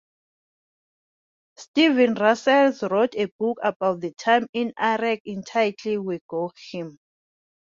Steven Russell wrote a book about the time in Iraq entitled We Got Him!